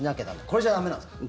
これじゃ駄目なんですか？